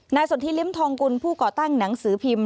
สนทิลิ้มทองกุลผู้ก่อตั้งหนังสือพิมพ์